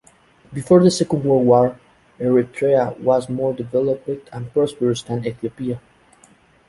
Before the Second World War, Eritrea was more developed and prosperous than Ethiopia.